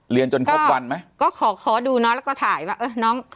เรียนจนครบวันไหมก็ขอขอดูน้องแล้วก็ถ่ายมาเออน้อง